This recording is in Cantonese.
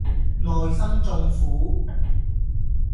內心縱苦